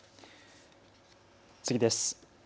次です。